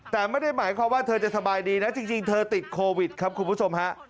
แต่ไม่ได้หมายความว่าเธอจะสบายดีนะจริงเธอติดโควิดครับคุณผู้ชมฮะ